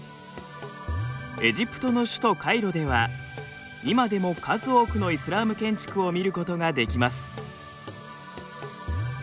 エジプトの首都カイロでは今でも数多くのイスラーム建築を見ることができます。